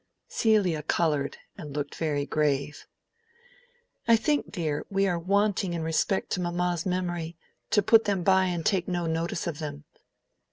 Celia colored, and looked very grave. "I think, dear, we are wanting in respect to mamma's memory, to put them by and take no notice of them.